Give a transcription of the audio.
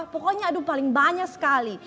pokoknya aduh paling banyak sekali